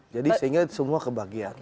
jadi sehingga semua kebahagiaan